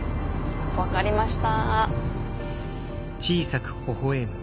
分かりました。